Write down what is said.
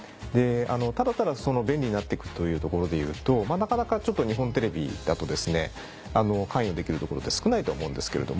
ただただ便利になってくというところでいうとなかなか日本テレビだと関与できるところって少ないとは思うんですけれども。